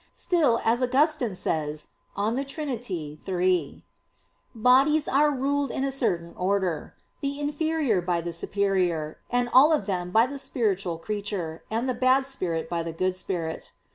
Still, as Augustine says (De Trin. iii), "bodies are ruled in a certain order; the inferior by the superior; and all of them by the spiritual creature, and the bad spirit by the good spirit."